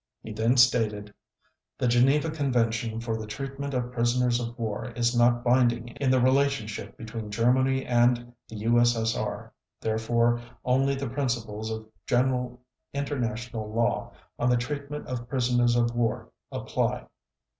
He then stated: "The Geneva Convention for the treatment of prisoners of war is not binding in the relationship between Germany and the U.S.S.R. Therefore only the principles of general international law on the treatment of prisoners of war apply.